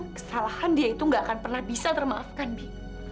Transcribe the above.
kesalahan dia itu gak akan pernah bisa termaafkan bi